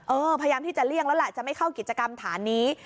พยายามที่จะเลี่ยงแล้วแหละจะไม่เข้ากิจกรรมฐานนี้